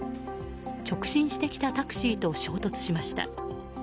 直進してきたタクシーと衝突しました。